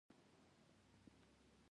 د چلند اختیار کول ستاسو په لاس کې دي.